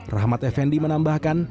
rahmat effendi menambahkan